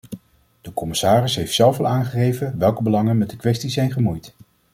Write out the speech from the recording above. De commissaris heeft zelf al aangegeven welke belangen met de kwestie zijn gemoeid.